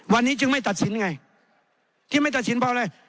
วันนี้จึงไม่ตัดสินไงที่ไม่ตัดสินเพราะอะไร